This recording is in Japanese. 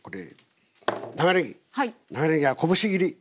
長ねぎはこぶし切り。